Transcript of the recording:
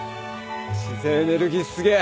自然エネルギーすげえ！